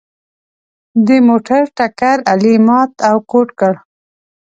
د موټر ټکر علي مات او ګوډ کړ.